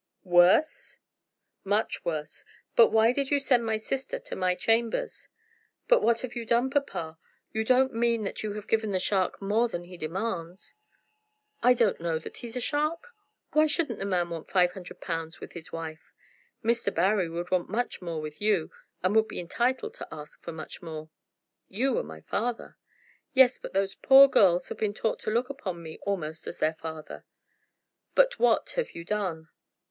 "Worse?" "Much worse. But why did you send my sister to my chambers?" "But what have you done, papa? You don't mean that you have given the shark more than he demands?" "I don't know that he's a shark. Why shouldn't the man want five hundred pounds with his wife? Mr. Barry would want much more with you, and would be entitled to ask for much more." "You are my father." "Yes; but those poor girls have been taught to look upon me almost as their father." "But what have you done?"